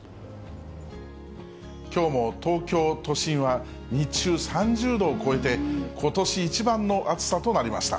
きょうも東京都心は日中３０度を超えて、ことし一番の暑さとなりました。